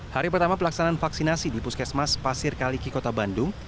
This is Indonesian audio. hari pertama pelaksanaan vaksinasi di puskesmas pasir kaliki kota bandung